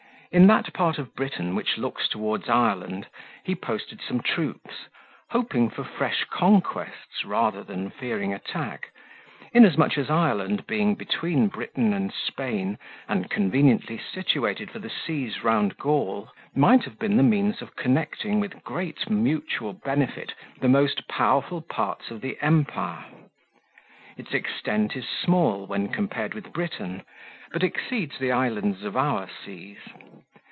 In that part of Britain which looks toward Ireland, he posted some troops, hoping for fresh conquests rather than fearing attack, inasmuch as Ireland, being between Britain and Spain and conveniently situated for the seas round Gaul, might have been the means of connecting with great mutual benefit the most powerful parts of the empire. Its extent is small when compared with Britain, but exceeds the islands of our seas.